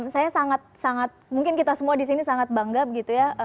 saya sangat mungkin kita semua disini sangat bangga gitu ya